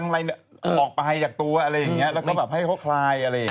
และฮัยคว้าคลายอะไรอย่างนี้